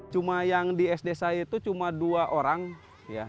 cuma yang di sd saya itu cuma dua orang ya